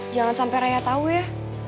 jangan sampe raya tau ya